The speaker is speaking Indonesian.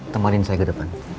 temanin saya ke depan